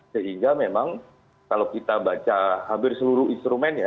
sehingga memang kalau kita baca hampir seluruh instrumen ya